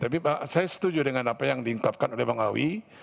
tapi saya setuju dengan apa yang diungkapkan oleh bang awi